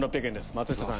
松下さん